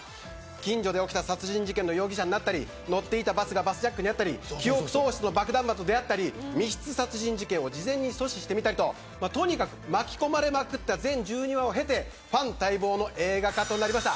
近所で起きた殺人事件の容疑者になったり乗っていたバスがバスジャックに遭ったり記憶喪失の爆弾魔と出会ったり密室殺人事件を事前に阻止してみたりととにかく巻き込まれまくった全１２話を経てファン待望の映画化となりました。